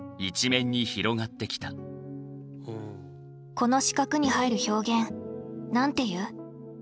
この四角に入る表現なんて言う？